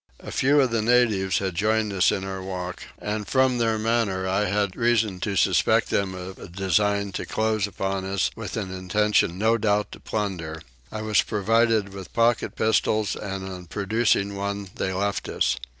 A few of the natives had joined us in our walk and from their manner I had reason to suspect them of a design to close upon us, with an intention no doubt to plunder: I was provided with pocket pistols and on producing one they left us.